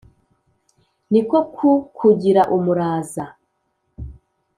Ni ko kukugira umuraza ;